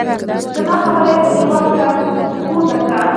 زما خبره یې په دې وخت کې راغوڅه کړه.